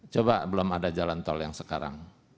coba belum ada jalan tol yang sekarang